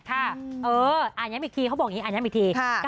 อ่านย้ำอีกทีเขาบอกอย่างนี้อ่านย้ำอีกที